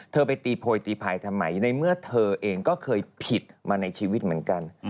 ไปตีโพยตีภายทำไมในเมื่อเธอเองก็เคยผิดมาในชีวิตเหมือนกัน